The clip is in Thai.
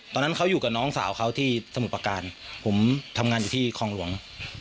ตอนนั้นเขาอยู่กับน้องสาวเขาที่สมุทรประการผมทำงานอยู่ที่คลองหลวง